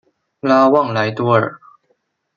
拉旺莱多尔。